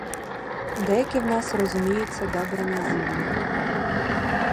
Деякі в нас розуміються добре на зіллі.